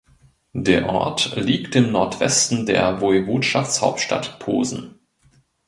Der Ort liegt im Nordwesten der Woiwodschaftshauptstadt Posen.